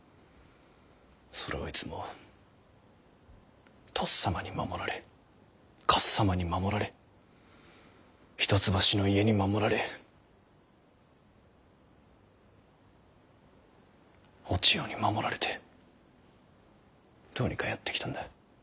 それをいつもとっさまに守られかっさまに守られ一橋の家に守られお千代に守られてどうにかやってきたんだ。